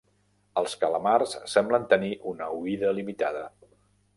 Els calamars semblen tenir una oïda limitada.